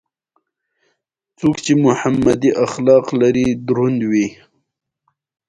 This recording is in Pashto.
سر پړکمشرانو به یو ځل موټر ته بیا به یې ټایرونو ته وکتل.